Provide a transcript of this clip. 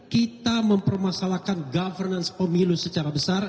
kita mempermasalahkan governance omilus secara besar